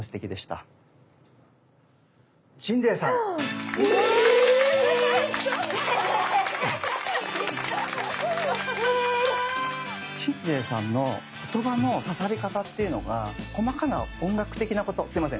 鎮西さん！え⁉え⁉鎮西さんの言葉の刺さり方っていうのが細かな音楽的なことすみません